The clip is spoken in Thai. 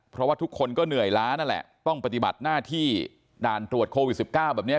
เพราะว่าทุกคนก็เหนื่อยล้านั่นแหละต้องปฏิบัติหน้าที่ด่านตรวจโควิด๑๙แบบนี้